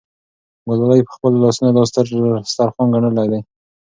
ګلالۍ په خپلو لاسونو دا دسترخوان ګنډلی دی.